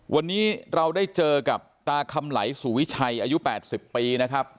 วันนี้เราได้เจอกับตาคำไหลสู่วิชัยอายุ๘๐ปีนะครับ